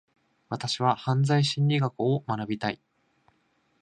私は犯罪心理学を学びたい。